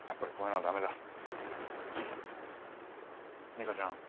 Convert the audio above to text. ミカちゃん